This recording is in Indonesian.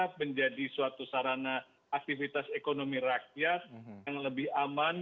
dan juga tetap menjadi suatu sarana aktivitas ekonomi rakyat yang lebih aman